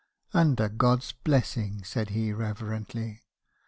"'Under God's blessing/ said he reverently.